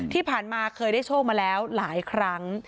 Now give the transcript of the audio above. ที่ผ่านมาเคยได้โชคมาแล้วหลายครั้ง